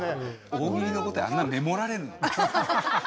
大喜利の答えあんなメモられるの？